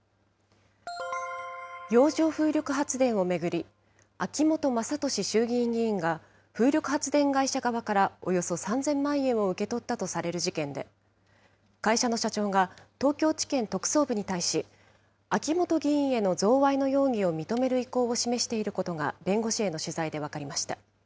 洋上風力発電を巡り、秋本真利衆議院議員が風力発電会社側からおよそ３０００万円を受け取ったとされる事件で、会社の社長が、東京地検特捜部に対し、秋本議員への贈賄の容疑を認める意向を示していることが弁護士への取材で分かりました。